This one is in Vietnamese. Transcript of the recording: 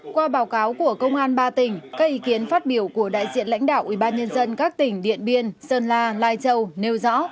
qua báo cáo của công an ba tỉnh các ý kiến phát biểu của đại diện lãnh đạo ubnd các tỉnh điện biên sơn la lai châu nêu rõ